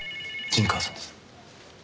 陣川さんです。